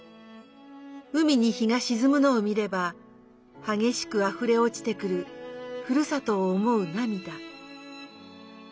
海に日がしずむのを見ればはげしくあふれ落ちてくるふるさとを思うなみだ。